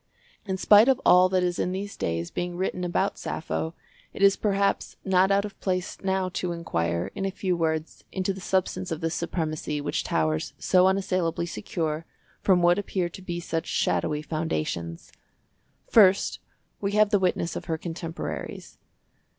In spite of all that is in these days being written about Sappho, it is perhaps not out of place now to inquire, in a few words, into the substance of this supremacy which towers so unassailably secure from what appear to be such shadowy foundations. First, we have the witness of her contemporaries.